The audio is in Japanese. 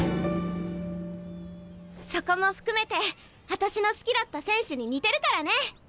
そこも含めてあたしの好きだった選手に似てるからね。